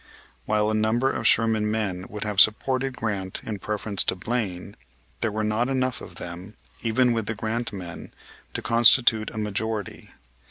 While a number of Sherman men would have supported Grant in preference to Blaine, there were not enough of them, even with the Grant men, to constitute a majority.